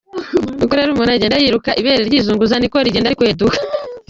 Uko rero umuntu agenda yiruka ibere ryizunguza ni na ko rigenda rikweduka.